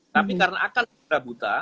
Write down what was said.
tapi karena akan buta buta